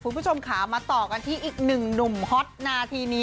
คุณผู้ชมค่ะมาต่อกันที่อีกหนึ่งหนุ่มฮอตนาทีนี้